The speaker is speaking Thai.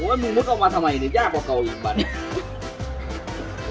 โอ้โห้น้องนึกออกมาทำไมเนี่ยยากกว่าเขาอีกบัน